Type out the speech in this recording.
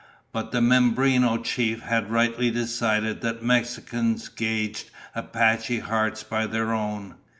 But the Mimbreno chief had rightly decided that Mexicans gauged Apache hearts by their own.